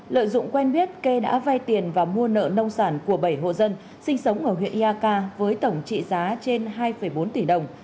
lợi dụng quen biết kê đã vay tiền và mua nợ nông sản của bảy hộ dân sinh sống ở huyện yaka với tổng trị giá trên hai bốn tỷ đồng